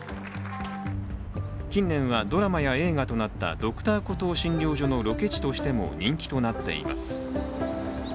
近年はドラマや映画となった「Ｄｒ．コトー診療所」のロケ地としても人気となっています。